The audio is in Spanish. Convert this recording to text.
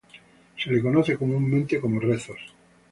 Se le conoce comúnmente como rezos.